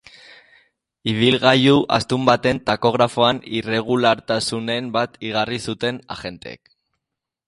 Ibilgailu astun baten takografoan irregulartasunen bat igarri zuten agenteek.